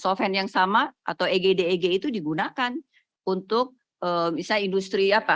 solvent yang sama atau egdeg itu digunakan untuk misalnya industri apa